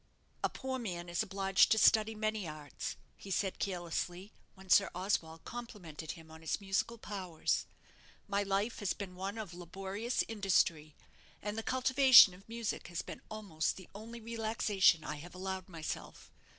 "A poor man is obliged to study many arts," he said, carelessly, when Sir Oswald complimented him on his musical powers. "My life has been one of laborious industry; and the cultivation of music has been almost the only relaxation I have allowed myself.